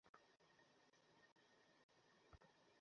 নিমের দাতন দিয়ে মাজ।